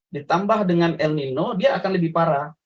ditambah dengan el nino dia akan lebih parah